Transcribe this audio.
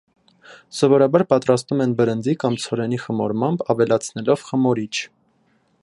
Սովորաբար պատրաստում են բրնձի կամ ցորենի խմորմամբ՝ավելացնելով խմորիչ։